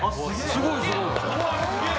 すごいすごい！